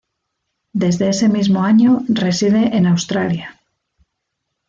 Desde ese mismo año reside en Australia.